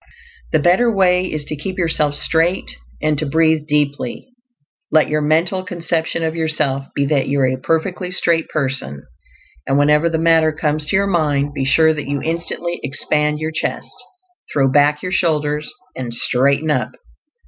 This better way is to keep yourself straight, and to breathe deeply. Let your mental conception of yourself be that you are a perfectly straight person, and whenever the matter comes to your mind, be sure that you instantly expand your chest, throw back your shoulders, and "straighten up."